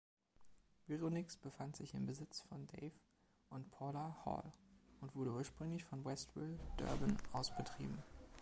Vironix befand sich im Besitz von Dave und Paula Hall und wurde ursprünglich von Westville, Durban, aus betrieben.